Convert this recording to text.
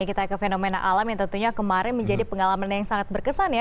kita ke fenomena alam yang tentunya kemarin menjadi pengalaman yang sangat berkesan ya